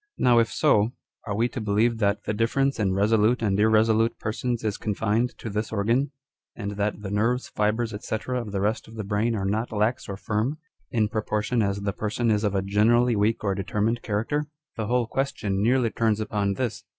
Now if so, are we to believe that the difference in resolute and irresolute persons is confined to this organ, and that the nerves, fibres, &c. of the rest of the brain are not lax or firm, in proportion as the person is of a generally weak or determined character ? The whole question nearly turns upon this.